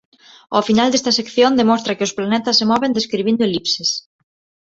Ao final desta sección demostra que os planetas se moven describindo elipses.